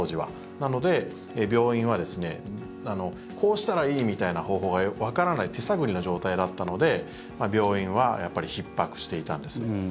なので、病院はですねこうしたらいいみたいな方法がわからない手探りな状態だったので病院はひっ迫していたんです。